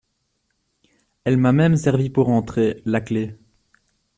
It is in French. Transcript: Elle m’a même servi pour entrer, la clef !